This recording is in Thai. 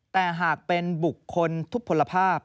แต่หากเป็นบุคคลทุกผลภาพ